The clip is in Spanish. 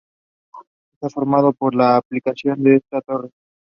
Está formado por la ampliación de esa torre.